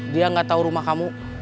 dia gak tahu rumah kamu